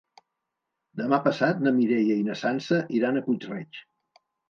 Demà passat na Mireia i na Sança iran a Puig-reig.